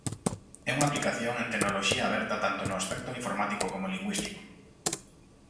É unha aplicación en tecnoloxía aberta tanto no aspecto informático como o lingüístico.